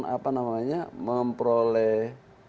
apa namanya memperoleh